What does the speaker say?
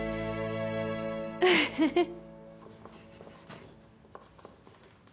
ウフフッ！